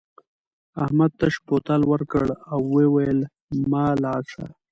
احمد تش بوتل ورکړ او وویل مه لاړ شه.